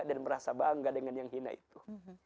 dan merasa bangga dengan yang hina itu